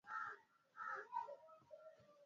Alikuwa mtu wa rika la kati akapekua kuangalia umri wake